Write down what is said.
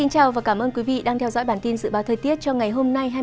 hãy đăng ký kênh để ủng hộ kênh của chúng mình nhé